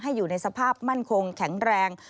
อยู่ในสภาพมั่นคงแข็งแรง